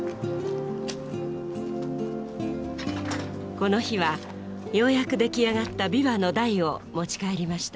この日はようやく出来上がった琵琶の台を持ち帰りました。